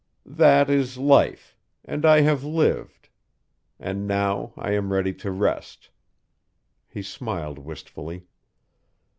That is life, and I have lived. And now I am ready to rest." He smiled wistfully.